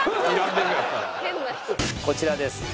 こちらです。